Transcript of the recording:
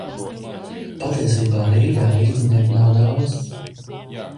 Patiesībā Rīgā rīdzinieku nav daudz